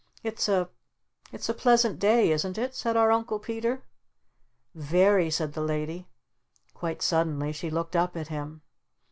"It's a It's a pleasant day isn't it?" said our Uncle Peter. "V very," said the Lady. Quite suddenly she looked up at him.